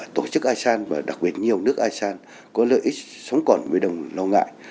tổ chức asean và đặc biệt nhiều nước asean có lợi ích sống còn với đồng lo ngại